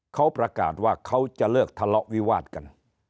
เขาประกาศว่าเขาจะเลิกทะเลาะวิวาดกัน